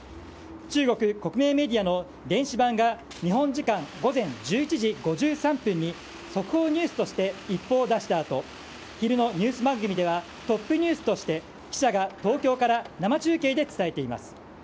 中国国営メディアの電子版が日本時間午前１１時５３分に速報ニュースとして一報を出したあと昼のニュース番組ではトップニュースとして記者が東京から生中継で伝えています。